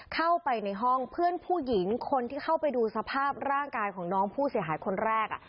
เข้าไปในห้องเพื่อนผู้หญิงคนที่เข้าไปดูสภาพร่างกายของน้องผู้เสียหายคนแรก